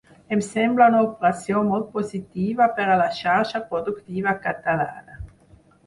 Em sembla una operació molt positiva per a la xarxa productiva catalana.